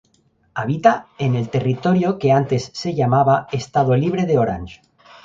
Habita en el territorio que antes se llamaba Estado Libre de Orange.